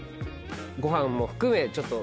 ご飯も含めちょっと。